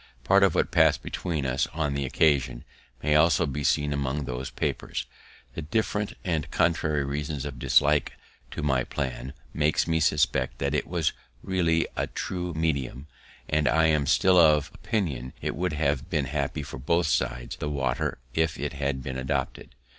Part of what passed between us on the occasion may also be seen among those papers. The different and contrary reasons of dislike to my plan makes me suspect that it was really the true medium; and I am still of opinion it would have been happy for both sides the water if it had been adopted.